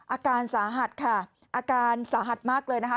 อาการสาหัสค่ะอาการสาหัสมากเลยนะคะ